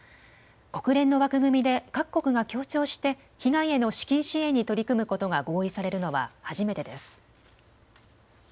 国連の枠組みで各国が協調して被害への資金支援に取り組むことが合意されるのは初めてです。